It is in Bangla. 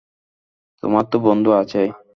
তোমার তো বন্ধু আছেই।